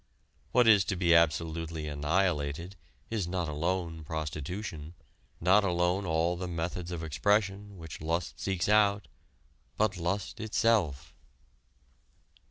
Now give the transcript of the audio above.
What is to be absolutely annihilated is not alone prostitution, not alone all the methods of expression which lust seeks out, but lust itself.